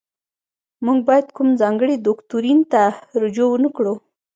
موږ باید کوم ځانګړي دوکتورین ته رجوع ونکړو.